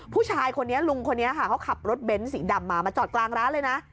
ผู้ชายคนนี้ลุงคนนี้ค่ะเขาขับรถเบ้นสีดำมามาจอดกลางร้านเลยนะ